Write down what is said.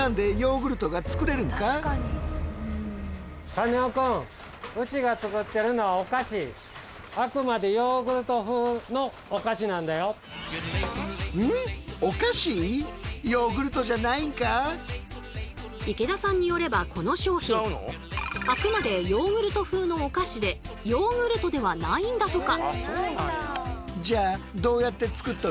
カネオくん池田さんによればこの商品あくまでヨーグルト風のお菓子でヨーグルトではないんだとか。